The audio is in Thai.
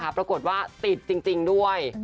ปรากฏว่าติดจริงด้วย